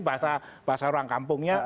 bahasa ruang kampungnya